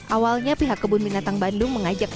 awalnya pihak kebun binatang bandung mengajak